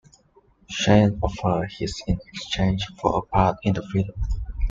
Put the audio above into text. Shane offered his in exchange for a part in the film.